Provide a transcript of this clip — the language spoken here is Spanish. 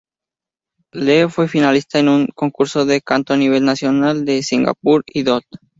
Lee fue finalista en un concurso de canto a nivel nacional de Singapore Idol.